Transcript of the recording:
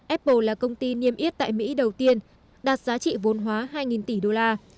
apple là công ty niêm yết tại mỹ đầu tiên đạt giá trị vốn hóa hai tỷ đô la